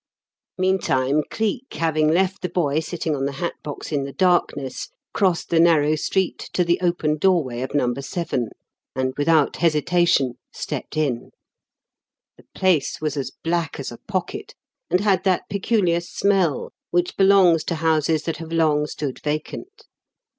Meantime, Cleek, having left the boy sitting on the hat box in the darkness, crossed the narrow street to the open doorway of No. 7, and, without hesitation, stepped in. The place was as black as a pocket, and had that peculiar smell which belongs to houses that have long stood vacant.